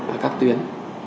ở các tuyến